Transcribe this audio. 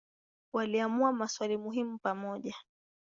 Waliamua maswali muhimu pamoja.